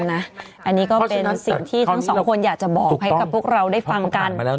อันนี้ก็เป็นสิ่งที่ทั้งสองคนอยากจะบอกให้กับพวกเราได้ฟังกัน